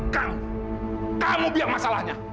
kamu kamu biar masalahnya